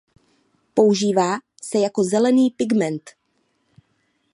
Používá se jako zelený pigment.